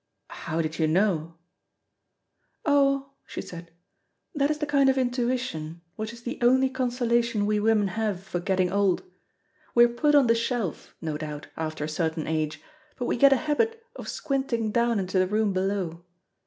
"How did you know?" "Oh," she said, "that is the kind of intuition which is the only consolation we women have for getting old. We are put on the shelf, no doubt, after a certain age, but we get a habit of squinting down into the room below.